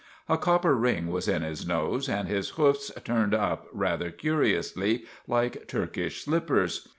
A copper ring was in his nose, and his hoofs turned up rather curiously, like Turkish slippers.